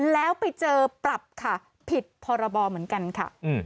แล้วไปเจอปรับค่ะผิดพรบเหมือนกันค่ะ